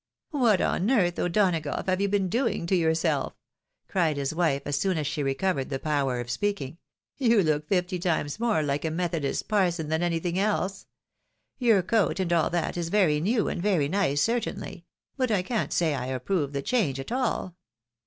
" What on earth, O'Donagough, have you been doing to yourself? " cried his wife, as soon as she recovered the power of speaking. " You look fifty times more like a methodist parson than anything else. Your coat, and all that, is very new, and very nice, certainly ; but I can't say I approve the change at all.